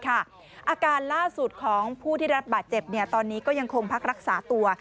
อาการล่าสุดของผู้ที่รับบาดเจ็บตอนนี้ก็ยังคงพักรักษาตัว